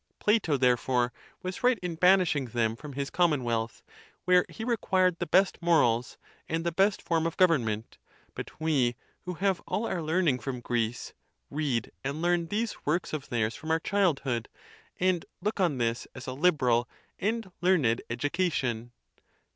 Plato, therefore, was right in banishing them from his commonwealth, where he required the best morals, and the best form of govern ment. But we, who have all our learning from Greece, read and learn these works of theirs from our childhood ; and look on this as a liberal and learned education.